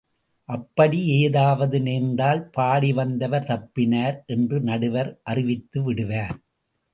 அப்படி ஏதாவது நேர்ந்தால், பாடி வந்தவர் தப்பினார் என்று நடுவர் அறிவித்துவிடுவார்.